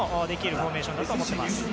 フォーメーションだと思っています。